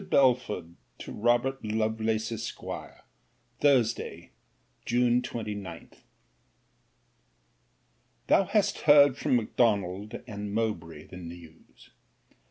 BELFORD, TO ROBERT LOVELACE, ESQ. THURSDAY, JUNE 29. Thou hast heard from M'Donald and Mowbray the news.